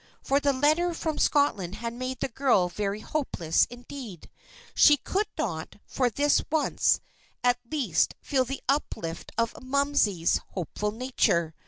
For the letter from Scotland had made the girl very hopeless, indeed. She could not, for this once, at least, feel the uplift of "Momsey's" hopeful nature.